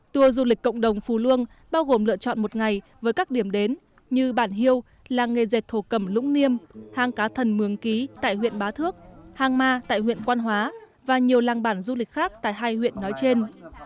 tour du lịch cộng đồng phú luông bao gồm lựa chọn một ngày với các điểm đến như bản hiêu làng nghề dệt thổ cầm lũng niêm hang cá thần mường ký tại huyện bá thước hang ma tại huyện quan hóa và nhiều làng bản du lịch khác tại hai huyện nói trên